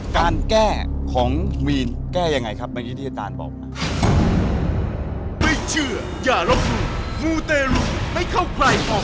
การแก้ของมีนแก้ยังไงครับเมื่อกี้ที่อาจารย์บอกมา